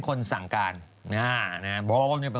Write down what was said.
ประกันตัวมาเลย